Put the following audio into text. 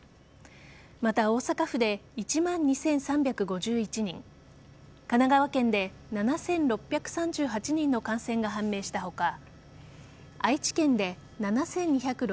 また、大阪府で１万２３５１人神奈川県で７６３８人の感染が判明した他愛知県で７２６９人